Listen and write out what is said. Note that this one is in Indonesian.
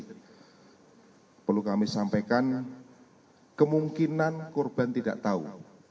jadi perlu kami sampaikan kemungkinan korban tidak tahu